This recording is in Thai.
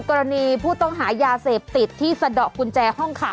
กรณีผู้ต้องหายาเสพติดที่สะดอกกุญแจห้องขัง